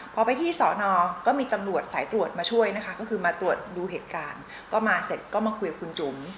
พอไปที่สอนอก็มีตำรวจสายตรวจมาช่วยนะคะก็คือมาตรวจดูเหตุการณ์ก็มาเสร็จก็มาคุยกับคุณจุ๋ม